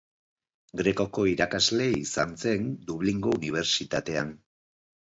Grekoko irakasle izan zen Dublingo unibertsitatean.